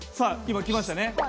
今来ましたね。